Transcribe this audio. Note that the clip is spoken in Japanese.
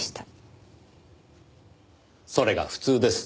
それが普通です。